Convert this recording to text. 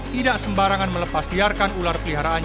tidak sembarangan melepasliarkan ular peliharaan